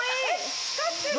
光ってる！